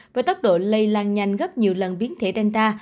và tốc độ lây lan nhanh gấp nhiều lần biến thể delta